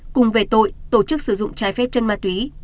cùng về tội tổ chức sử dụng trái phép chân ma túy